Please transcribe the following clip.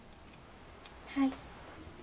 はい。